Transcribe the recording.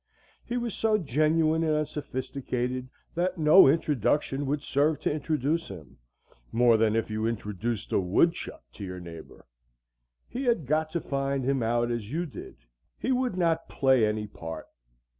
He was so genuine and unsophisticated that no introduction would serve to introduce him, more than if you introduced a woodchuck to your neighbor. He had got to find him out as you did. He would not play any part.